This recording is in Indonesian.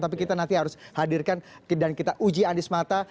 tapi kita nanti harus hadirkan dan kita uji anies mata